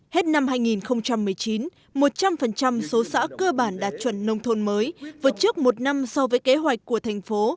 hết năm hai nghìn một mươi chín một trăm linh số xã cơ bản đạt chuẩn nông thôn mới vượt trước một năm so với kế hoạch của thành phố